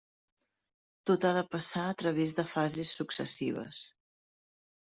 Tot ha de passar a través de fases successives.